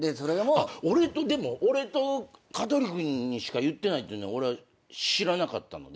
俺と香取君にしか言ってないっていうの俺は知らなかったので。